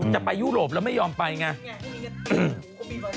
ไปยุโรปแล้วไม่ยอมไปไง